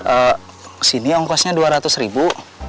eh kesini ongkosnya dua ratus ribu